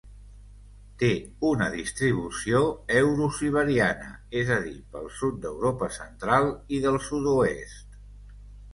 Té una distribució eurosiberiana, és a dir, pel sud d'Europa Central i del Sud-oest.